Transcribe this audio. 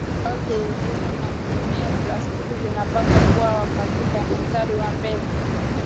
Kampuni ambazo huunda na kutumia plastiki zinapaswa kuwa katika mstari wa mbele